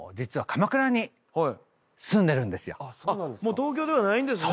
東京ではないんですね。